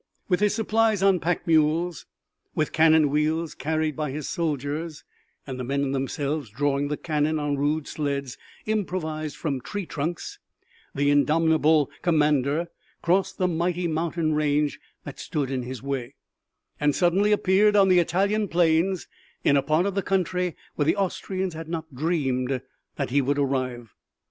With his supplies on pack mules, with cannon wheels carried by his soldiers and the men themselves drawing the cannon on rude sleds improvised from tree trunks, the indomitable commander crossed the mighty mountain range that stood in his way, and suddenly appeared on the Italian plains in a part of the country where the Austrians had not dreamed that he would arrive.